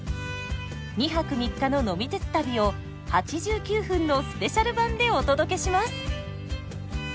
２泊３日の呑み鉄旅を８９分のスペシャル版でお届けします。